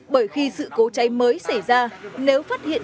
bởi khi sự cố cháy mới xảy ra nếu phát hiện